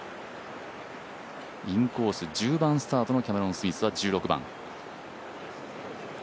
インコース１０番スタートのキャメロン・スミスは１６番。